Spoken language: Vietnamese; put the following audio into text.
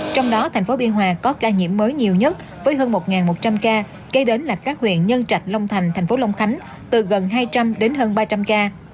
trong đó thành phố biên hòa có ca nhiễm mới nhiều nhất với hơn một một trăm linh ca kế đến là các huyện nhân trạch long thành thành phố long khánh từ gần hai trăm linh đến hơn ba trăm linh ca